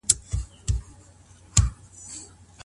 د غرو لمن کې ښار